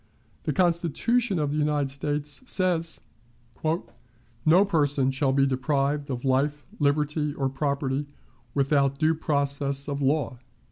The Constitution of the United States says: "No person shall be deprived of life, liberty, or property, without due process of law."